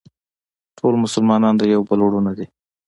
ټول مسلمانان د یو بل وروڼه دي.